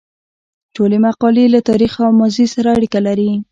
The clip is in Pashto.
ټولې مقالې له تاریخ او ماضي سره اړیکه لري.